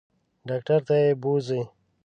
ډاکټر ته یې بوزئ.